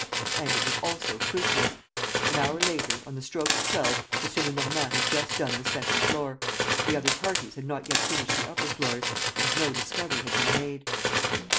And it was also fruitless. An hour later, on the stroke of twelve, M. Lenormand had just done the second floor; the other parties had not yet finished the upper floors; and no discovery had been made.